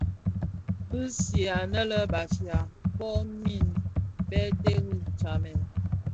Bi sig anë lè Bafia bomid bè terri tsamèn.